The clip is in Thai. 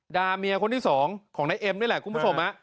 เมียคนที่สองของนายเอ็มนี่แหละคุณผู้ชม